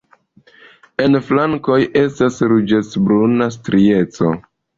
En flankoj estas ruĝecbruna strieco.